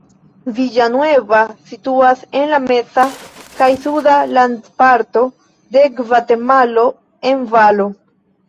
Villa Nueva situas en la meza kaj suda landparto de Gvatemalo en valo.